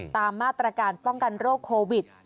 ตามมาตรการป้องกันโรคโควิด